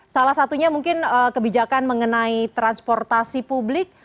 salah satunya mungkin kebijakan mengenai transportasi publik